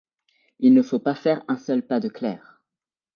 Il ne faut pas faire un seul pas de clerc !…